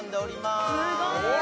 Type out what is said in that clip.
すごーい！